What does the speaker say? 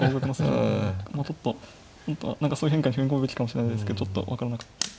ちょっと本譜は何かそういう変化に踏み込むべきかもしれないですけどちょっと分からなかった。